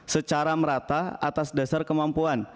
secara merata atas dasar kemampuan